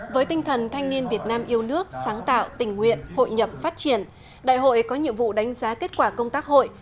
với tinh thần thanh niên việt nam yêu nước sáng tạo tình nguyện hội nhập phát triển đại hội có nhiệm vụ đánh giá kết quả công tác hội